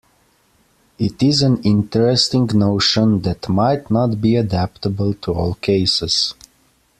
It is an interesting notion that might not be adaptable to all cases.